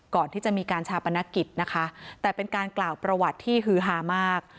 ก่อนที่จะมีการชาปนกิจนะคะแต่เป็นการกล่าวประวัติที่ฮือฮามาก